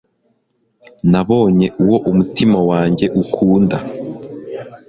nabonye uwo umutima wanjye ukunda